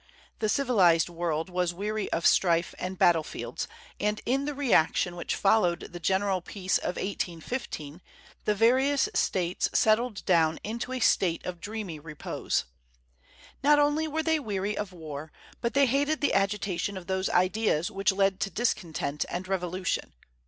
The civilized world was weary of strife and battlefields, and in the reaction which followed the general peace of 1815, the various States settled down into a state of dreamy repose. Not only were they weary of war, but they hated the agitation of those ideas which led to discontent and revolution.